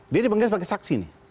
dia dipanggil sebagai saksi nih